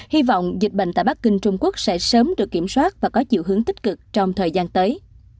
hy vọng dịch bệnh tại bắc kinh trung quốc sẽ sớm được kiểm soát và có chiều hướng tích cực trong thời gian tới